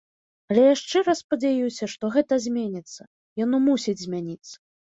Але я шчыра спадзяюся, што гэта зменіцца, яно мусіць змяніцца.